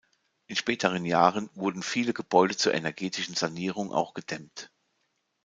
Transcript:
In späteren Jahren wurden viele Gebäude zur energetischen Sanierung auch gedämmt.